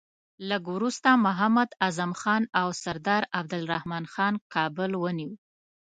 لږ وروسته محمد اعظم خان او سردار عبدالرحمن خان کابل ونیوی.